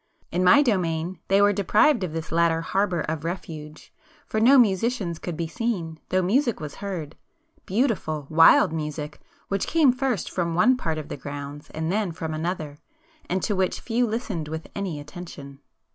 In my domain they were deprived of this latter harbour of refuge, for no musicians could be seen, though music was heard,—beautiful wild music which came first from one part of the grounds and then from another, and to which few listened with any attention.